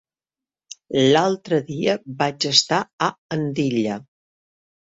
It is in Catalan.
L'altre dia vaig estar a Andilla.